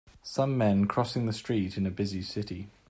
some men crossing the street in a busy city